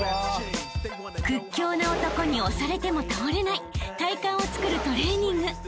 ［屈強な男に押されても倒れない体幹をつくるトレーニング。